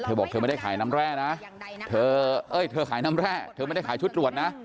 บอกเธอไม่ได้ขายน้ำแร่นะเธอเอ้ยเธอขายน้ำแร่เธอไม่ได้ขายชุดตรวจนะ